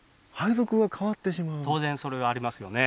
当然それがありますよね